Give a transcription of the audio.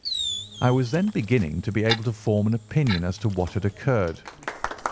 I was then beginning to be able to form an opinion as to what had occurred.